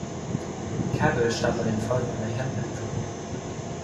Cabell starb an den Folgen einer Hirnblutung.